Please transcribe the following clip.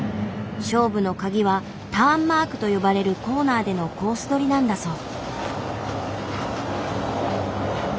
勝負のカギは「ターンマーク」と呼ばれるコーナーでのコース取りなんだそう。